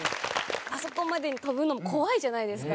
あそこまで跳ぶの怖いじゃないですか。